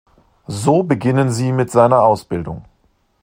So beginnen sie mit seiner Ausbildung.